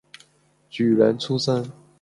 举人出身。